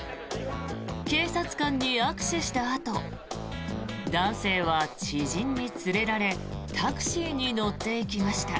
警察官に握手したあと男性は知人に連れられタクシーに乗っていきました。